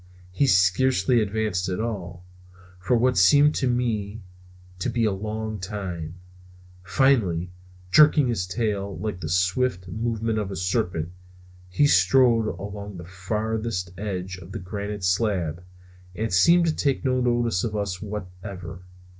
He scarcely advanced at all, for what seemed to me to be a long time. Finally, jerking his tail like the swift movement of a serpent, he strode along the farthest edge of the granite slab and seemed to take no notice of us whatever.